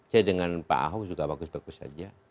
saya dengan pak ahok juga bagus bagus saja